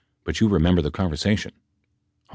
But you remember the conversation ? H.